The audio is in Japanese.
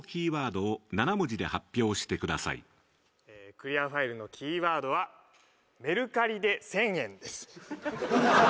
クリアファイルのキーワードはメルカリで千円です。